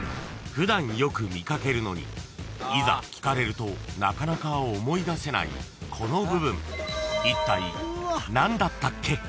［普段よく見掛けるのにいざ聞かれるとなかなか思い出せないこの部分いったい何だったけ？］